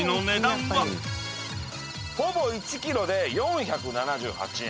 ほぼ１ｋｇで４７８円。